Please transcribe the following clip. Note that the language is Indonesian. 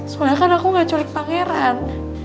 semoga kan aku gak culik pangeran